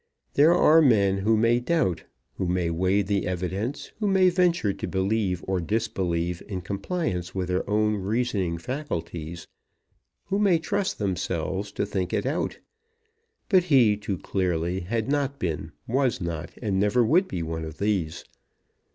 There are men who may doubt, who may weigh the evidence, who may venture to believe or disbelieve in compliance with their own reasoning faculties, who may trust themselves to think it out; but he, too clearly, had not been, was not, and never would be one of these.